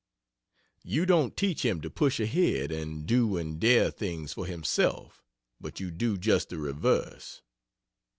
You don't teach him to push ahead and do and dare things for himself, but you do just the reverse.